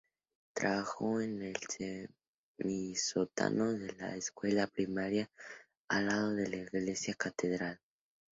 Trabajó en el semisótano de la Escuela primaria al lado de la Iglesia catedral.